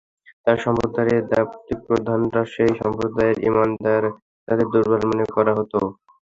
তার সম্প্রদায়ের দাম্ভিক প্রধানরা সেই সম্প্রদায়ের ঈমানদার, যাদের দুর্বল মনে করা হত।